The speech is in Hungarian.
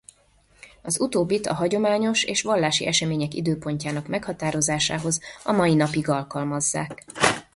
Az utóbbit a hagyományos és vallási események időpontjának meghatározásához a mai napig alkalmazzák.